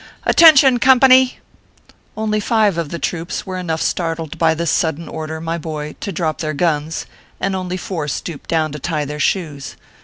Attention, company !" Only five of the troops were enough startled by this sudden order, my boy, to drop their guns, and only four stooped down to tie their shoes.